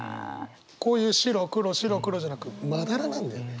こういう白黒白黒じゃなく斑なんだよね。